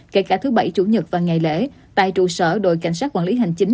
kể cả thứ bảy chủ nhật và ngày lễ tại trụ sở đội cảnh sát quản lý hành chính